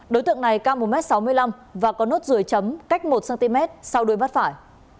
đối tượng này ca một m sáu mươi năm và có nốt dưới chấm cách một cm sau đôi mắt phải